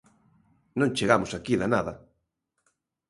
Non chegamos aquí da nada.